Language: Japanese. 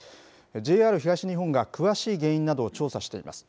ＪＲ東日本が詳しい原因などを調査しています。